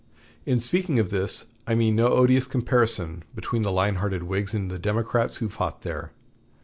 In speaking of this, I mean no odious comparison between the lion hearted Whigs and the Democrats who fought there.